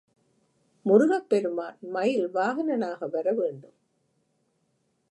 முருகப் பெருமான் மயில் வாகனனாக வர வேண்டும்.